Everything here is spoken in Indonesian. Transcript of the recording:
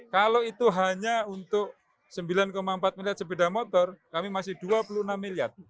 kalau itu hanya untuk sembilan empat miliar sepeda motor kami masih dua puluh enam miliar